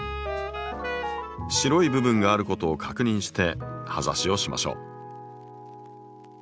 白い部分があることを確認して葉ざしをしましょう。